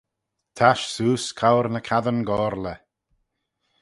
Tasht seose cour ny cassyn gorley